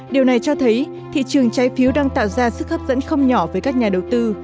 điều này cho thấy thị trường trái phiếu đang tạo ra sức hấp dẫn không nhỏ với các nhà đầu tư